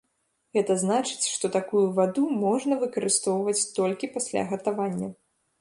Гэта значыць, што такую ваду можна выкарыстоўваць толькі пасля гатавання.